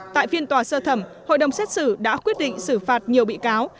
tại phiên tòa sơ thẩm hội đồng xét xử đã quyết định xử phạt nhiều bị cáo